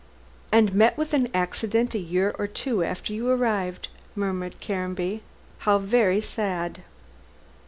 "And met with an accident a year or two after you arrived," murmured Caranby; "how very sad."